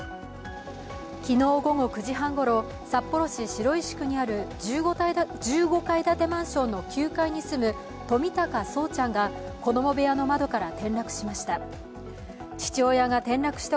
昨日午後９時半ごろ、札幌市白石区にある１５階建てマンションの９階に住む冨高聡ちゃんが子供部屋の窓から転落しました。